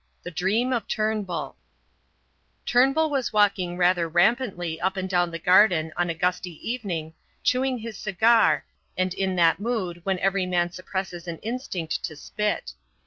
THE DREAM OF TURNBULL Turnbull was walking rather rampantly up and down the garden on a gusty evening chewing his cigar and in that mood when every man suppresses an instinct to spit.